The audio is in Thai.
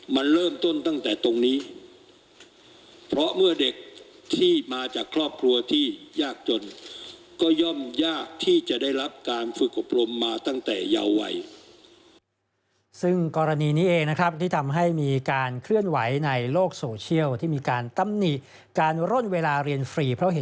มันเริ่มต้นตั้งแต่ตรงนี้เพราะเมื่อเด็กที่มาจากครอบครัวที่